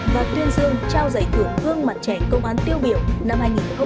và tuyên dương trao giải thưởng gương mặt trẻ công an tiêu biểu năm hai nghìn hai mươi ba